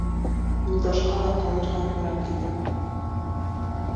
Юлдашҡа ла ҡалырға тура килде.